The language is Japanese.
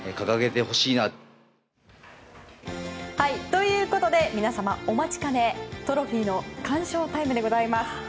ということで皆様、お待ちかねトロフィーの鑑賞タイムでございます。